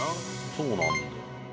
そうなんだよ。